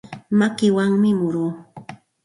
Makiwanmi muruu.